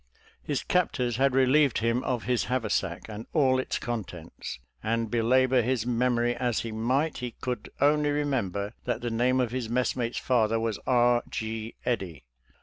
His captors had ' relieved him of his haversack and all its contents, and belabor his memory as he might, he could ionly remember that the name of his messmate's father was E. G. Eddy.